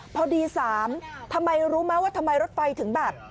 พอดี๓ทำไมรู้ไหมว่าทำไมรถไฟถึงแบบ